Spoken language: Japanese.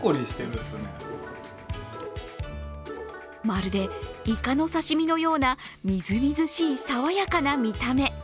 まるで、いかの刺身のようなみずみずしい爽やかな見た目。